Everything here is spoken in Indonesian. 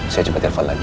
saya cepat telepon lagi